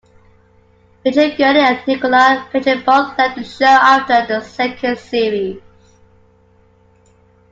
Rachel Gurney and Nicola Pagett both left the show after the second series.